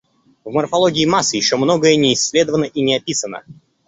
В морфологии масс еще многое не исследовано и не описано.